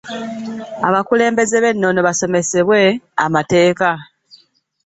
Abakulembeze b’ennono baasomesebwa amateeka.